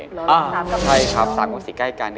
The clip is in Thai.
เหรอ๓กับ๔อเจมส์ใช่ครับ๓กับ๔ใกล้กัน